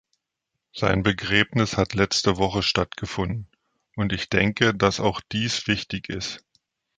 Sein Begräbnis hat letzte Woche stattgefunden, und ich denke, dass auch dies wichtig ist.